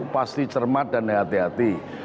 pasti cermat dan hati hati